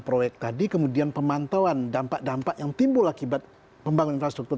proyek tadi kemudian pemantauan dampak dampak yang timbul akibat pembangunan infrastruktur